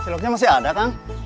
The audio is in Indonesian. ciloknya masih ada kang